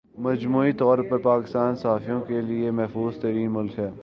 مجموعی طور پر پاکستان صحافیوں کے لئے محفوظ ترین ملک ہے